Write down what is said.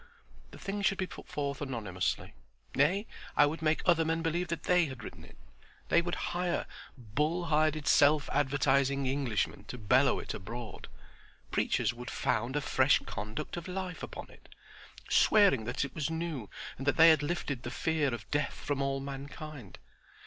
The thing should be put forth anonymously. Nay, I would make other men believe that they had written it. They would hire bull hided self advertising Englishmen to bellow it abroad. Preachers would found a fresh conduct of life upon it, swearing that it was new and that they had lifted the fear of death from all mankind.